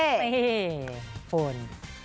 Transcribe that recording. เฮ่เฮ่เฮ่เฮ่เฮ่ฟูน